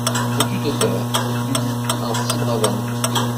Veux-tu te taire ! lui ! un si brave homme !